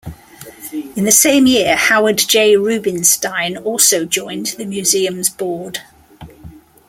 In the same year, Howard J. Rubinstein also joined the museum's board.